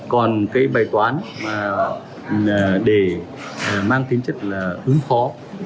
còn cái bài toán mà để mang tính chất là ứng phó